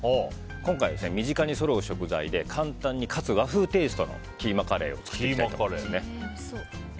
今回、身近にそろう食材で簡単にかつ和風テイストのキーマカレーを作っていきたいと思います。